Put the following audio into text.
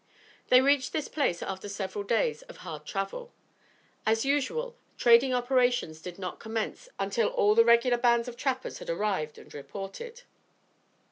They reached this place after several days of hard travel. As usual, trading operations did not commence until all the regular bands of trappers had arrived and reported.